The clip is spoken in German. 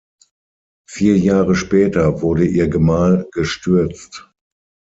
Vier Jahre später wurde ihr Gemahl gestürzt.